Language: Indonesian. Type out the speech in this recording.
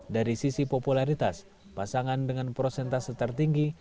dari sisi popularitas pasangan dengan prosentase tertinggi